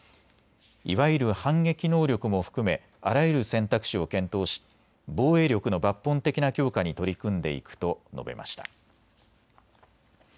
いわゆる反撃能力も含めあらゆる選択肢を検討し防衛力の抜本的な強化に取り組んでいくと述べました。